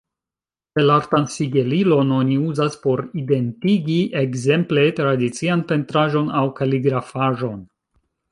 Belartan sigelilon oni uzas por identigi ekzemple tradician pentraĵon aŭ kaligrafaĵon.